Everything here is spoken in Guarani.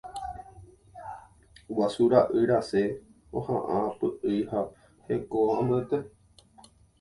Guasu ra'y rasẽ oha'ã py'ỹi ha heko ambuete.